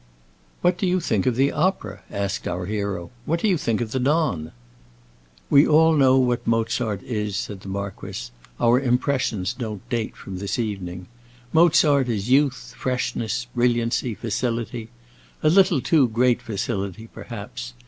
"What do you think of the opera?" asked our hero. "What do you think of the Don?" "We all know what Mozart is," said the marquis; "our impressions don't date from this evening. Mozart is youth, freshness, brilliancy, facility—a little too great facility, perhaps.